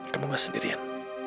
kamu gak sendirian